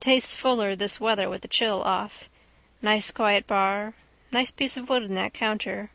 Tastes fuller this weather with the chill off. Nice quiet bar. Nice piece of wood in that counter.